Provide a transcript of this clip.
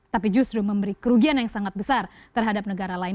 tapi justru memberi kerugian yang sangat besar terhadap negara lain